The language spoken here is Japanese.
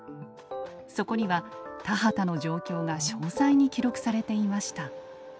そこには田畑の状況が詳細に記録されていました。